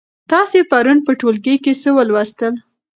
تاسې پرون په ټولګي کې څه ولوستل؟